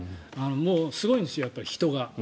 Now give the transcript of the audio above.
もうすごいんですよ、人が。